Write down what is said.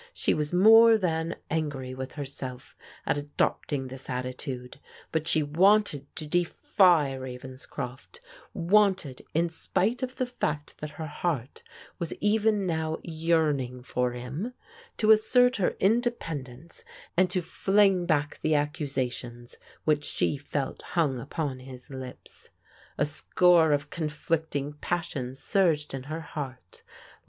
She was more than angry with herself at adopting this attitude, but she wanted to defy Ravenscroft, wanted, in spite of the fact that her heart was even now yearning for him, to assert her independence, and to fling back the accusa tions which she felt hung upon his lips. A score of con flicting passions surged in her heart.